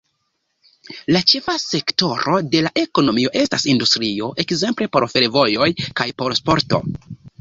La ĉefa sektoro de la ekonomio estas industrio, ekzemple por fervojoj kaj por sporto.